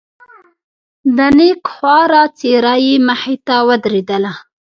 د نيکه خواره څېره يې مخې ته ودرېدله.